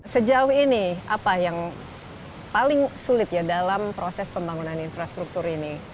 sejauh ini apa yang paling sulit ya dalam proses pembangunan infrastruktur ini